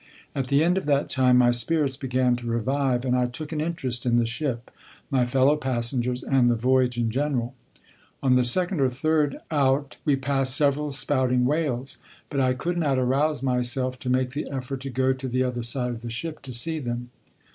At the end of that time my spirits began to revive, and I took an interest in the ship, my fellow passengers, and the voyage in general. On the second or third day out we passed several spouting whales, but I could not arouse myself to make the effort to go to the other side of the ship to see them.